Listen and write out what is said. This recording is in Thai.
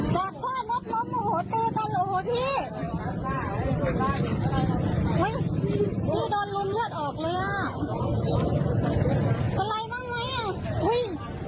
แจ้งกับนวดเลย